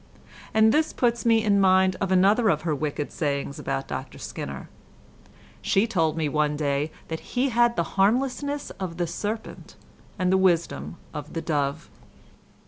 And this puts me in mind of another of her wicked sayings about Dr Skinner. She told me one day that he had the harmlessness of the serpent and the wisdom of the dove.